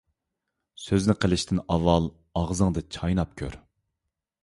سۆزنى قىلىشتىن ئاۋۋال، ئاغزىڭدا چايناپ كۆر.